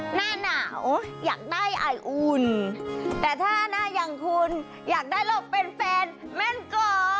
หน้าหนาวอยากได้ไออุ่นแต่ถ้าหน้าอย่างคุณอยากได้เราเป็นแฟนแม่นก่อ